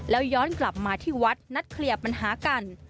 แล้วย้อนกลับมาที่วัดนัดเคลียร์ปัญหากัน